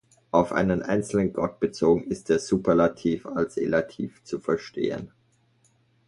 Auf einen einzelnen Gott bezogen ist der Superlativ als Elativ zu verstehen.